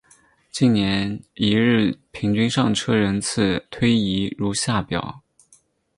近年一日平均上车人次推移如下表。